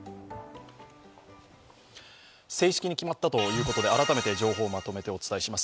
正式に決まったということで改めて情報をまとめてお伝えします。